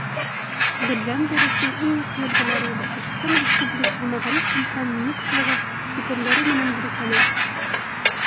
Берҙәм дәрестең иң яҡшы өлгөләре Башҡортостан Республикаһы Мәғариф һәм фән министрлығы дипломдары менән бүләкләнә.